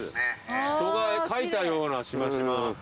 人が描いたようなしましま。